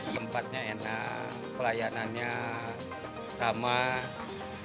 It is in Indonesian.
tempatnya enak pelayanannya tamat